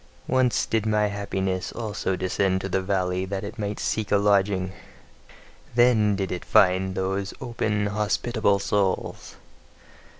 Once did my happiness also descend to the valley that it might seek a lodging: then did it find those open hospitable souls.